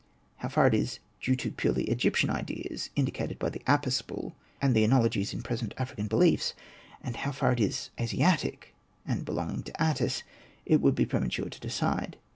How far it is due to purely Egyptian ideas, indicated by the Apis bull and the analogies in present African beliefs, and how far it is Asiatic and belonging to Atys, it would be premature to decide.